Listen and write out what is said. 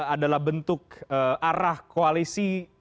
adalah bentuk arah koalisi